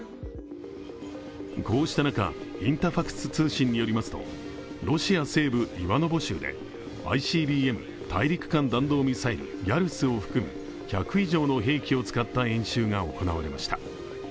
こうした中、インタファクス通信によりますと、ロシア西部イワノボ州でＩＣＢＭ＝大陸間弾道ミサイルヤルスを含む１００以上の兵器を使った演習が行われました。